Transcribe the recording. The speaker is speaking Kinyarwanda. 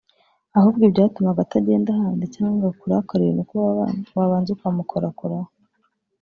Ahubwo ibyatuma atagenda ahandi cyangwa ngo akurakarire ni uko wabanza ukamukorakoraho